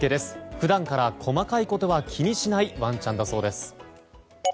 普段から細かいことは気にしないワンちゃんだそうです。